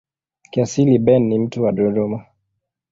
Kiasili Ben ni mtu wa Dodoma.